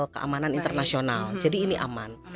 keamanan internasional jadi ini aman